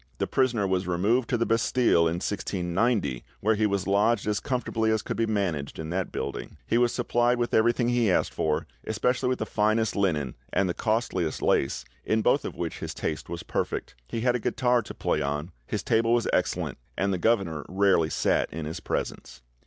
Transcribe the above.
The prisoner was removed to the Bastille in 1690, where he was lodged as comfortably as could be managed in that building; he was supplied with everything he asked for, especially with the finest linen and the costliest lace, in both of which his taste was perfect; he had a guitar to play on, his table was excellent, and the governor rarely sat in his presence."